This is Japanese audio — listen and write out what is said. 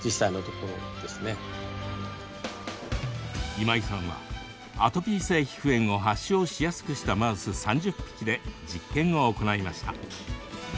今井さんはアトピー性皮膚炎を発症しやすくしたマウス３０匹で実験を行いました。